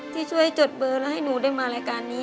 ที่ช่วยจดเบอร์แล้วให้หนูได้มารายการนี้